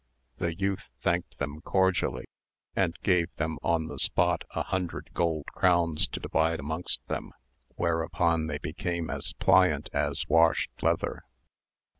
The youth thanked them cordially, and gave them on the spot a hundred gold crowns to divide amongst them, whereupon they became as pliant as washed leather.